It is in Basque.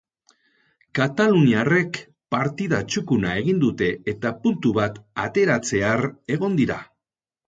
Kataluniarrek partida txukuna egin dute eta puntu bat ateratzear egon dira.